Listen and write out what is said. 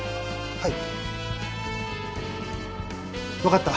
はい！